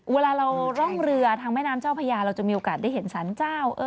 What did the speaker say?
เวลาเราร่องเรือทางแม่น้ำเจ้าพญาเราจะมีโอกาสได้เห็นสารเจ้า